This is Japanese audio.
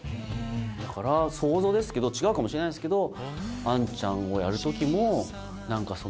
だから想像ですけど違うかもしれないですけど。